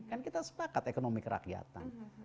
kan kita sepakat ekonomi kerakyatan